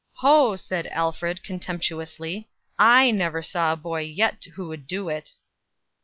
"Ho!" said Alfred, contemptuously, "I never saw the boy yet who would do it."